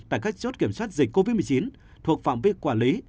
tại các chốt kiểm soát dịch covid một mươi chín thuộc phạm vi quản lý